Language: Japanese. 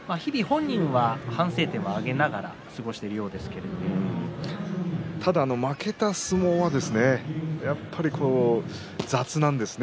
日々、本人は反省点を挙げながらただ負けた相撲はやっぱり雑なんですね。